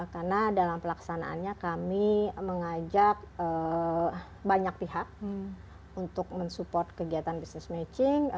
karena dalam pelaksanaannya kami mengajak banyak pihak untuk mensupport kegiatan business matching